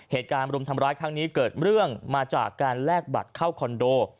เหตุการณ์รุมทำร้ายครั้งนี้เกิดเรื่องมาจากการแลกบัตรเข้าคอนโด